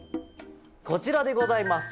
こちらでございます。